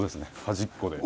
端っこで。